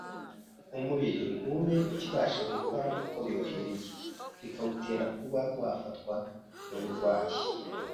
umubiri ntube ukibasha gukora uko bikwiriye, bikawutera kuba wafatwa n’uburwayi.